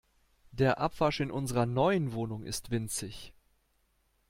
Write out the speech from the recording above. Der Abwasch in unserer neuen Wohnung ist winzig.